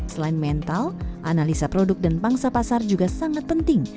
selain mental analisa produk dan pangsa pasar juga sangat penting